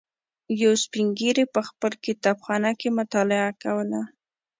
یوه سپین ږیري په خپل کتابخانه کې مطالعه کوله.